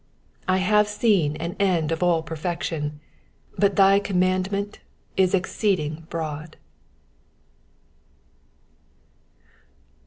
96 I have seen an end of all perfection : but thy command ment is exceeding broad.